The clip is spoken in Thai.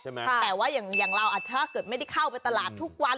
แต่ว่าอย่างเราถ้าเกิดไม่ได้เข้าไปตลาดทุกวัน